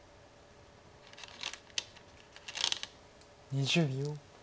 ２０秒。